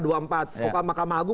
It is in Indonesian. kekuasaan mahkamah agung